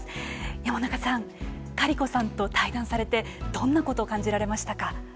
山中さんカリコさんと対談されてどんなことを感じられましたか。